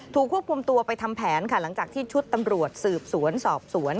ควบคุมตัวไปทำแผนค่ะหลังจากที่ชุดตำรวจสืบสวนสอบสวน